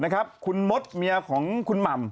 คุณมดเมียของคุณหม่ำ